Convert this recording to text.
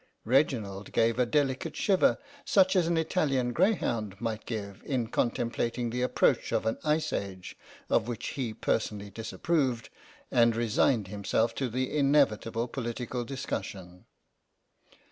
Reginald gave a delicate shiver, such as an Italian greyhound might give in contemplat ing the approach of an ice age of which he personally disapproved, and resigned himself to the inevitable political discussion.